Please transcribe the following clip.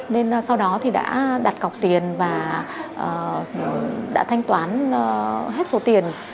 nên sau đó thì đã đặt cọc tiền và đã thanh toán hết số tiền